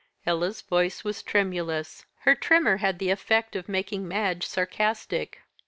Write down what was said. Ella's voice was tremulous. Her tremor had the effect of making Madge sarcastic.